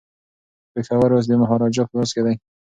پېښور اوس د مهاراجا په لاس کي دی.